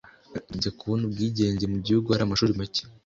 rujya kubona ubwigenge mu gihugu hari amashuri make